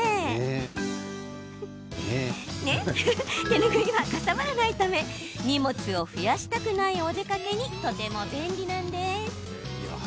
手ぬぐいは、かさばらないため荷物を増やしたくないお出かけのときにとても便利なんです。